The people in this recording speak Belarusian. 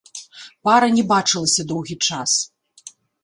Пара не бачылася доўгі час.